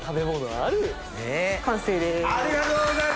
ありがとうございます！